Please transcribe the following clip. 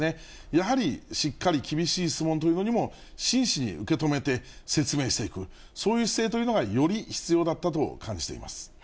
やはり、しっかり厳しい質問というのにも、真摯に受け止めて説明していく、そういう姿勢というのが、より必要だったと感じています。